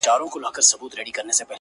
زه رحمان په پښتو ژبه عالمګير يم